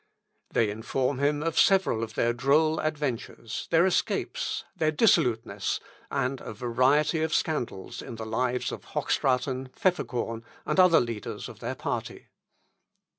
They inform him of several of their droll adventures, their escapes, their dissoluteness, and a variety of scandals in the lives of Hochstraten, Pfefferkorn, and other leaders of their party.